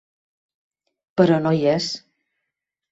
Però no hi és.